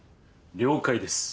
了解です。